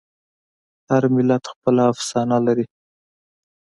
هر ملت خپله افسانه لري.